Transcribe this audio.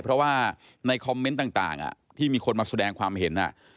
เพราะว่าในคอมเมนต์ต่างที่มีคนมาแสดงความเห็น